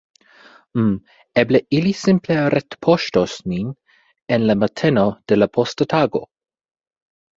"Mmm, eble ili simple retpoŝtos min en la mateno de la posta tago.